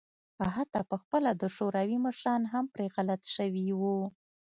حتی په خپله د شوروي مشران هم پرې غلط شوي وو.